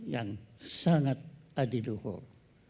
yang sangat adiluhur